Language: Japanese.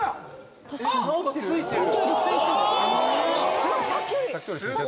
すごい！さっきより。